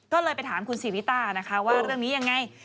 ก็เลยไปถามคุณศรีวิต้านะคะว่าเรื่องนี้ยังไง